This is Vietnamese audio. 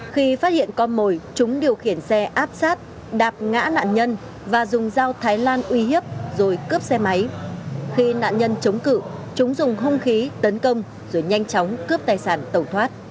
khi phát hiện con mồi chúng điều khiển xe áp sát đạp ngã nạn nhân và dùng dao thái lan uy hiếp rồi cướp xe máy khi nạn nhân chống cự chúng dùng hung khí tấn công rồi nhanh chóng cướp tài sản tẩu thoát